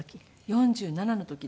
４７の時です。